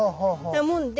だもんで。